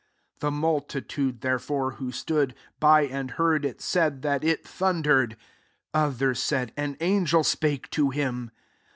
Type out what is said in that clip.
29 The multitude, therefore, who stood by, and heard it, said that it thundered. Others said, " An angel spake to him."